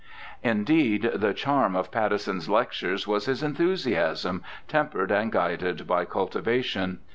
Indeed, the charm of Pattison's lectures was his enthusiasm, tempered and guided by cultivation.